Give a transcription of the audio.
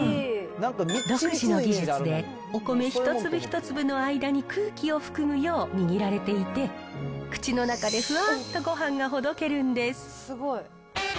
独自の技術で、お米一粒一粒の間に空気を含むよう握られていて、口の中でふわっとごはんがほどけるんです。